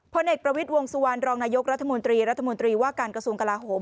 เอกประวิทย์วงสุวรรณรองนายกรัฐมนตรีรัฐมนตรีว่าการกระทรวงกลาโหม